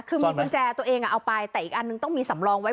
คือมีกุญแจตัวเองเอาไปแต่อีกอันนึงต้องมีสำรองไว้